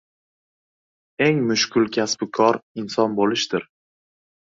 Eng mushkul kasbu kor inson bo‘lishdir.